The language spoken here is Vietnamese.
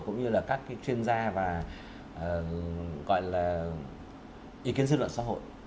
cũng như là các chuyên gia và gọi là ý kiến dư luận xã hội